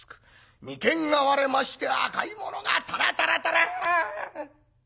眉間が割れまして赤いものがタラタラタラ！